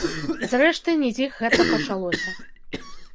Зрэшты, не з іх гэта пачалося.